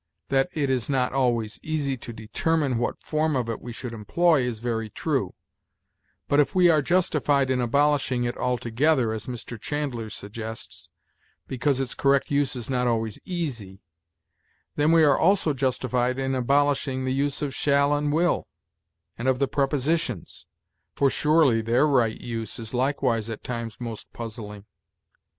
That it is not always easy to determine what form of it we should employ is very true; but if we are justified in abolishing it altogether, as Mr. Chandler suggests, because its correct use is not always easy, then we are also justified in abolishing the use of shall and will, and of the prepositions, for surely their right use is likewise at times most puzzling.